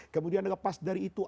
kemudian lepas dari itu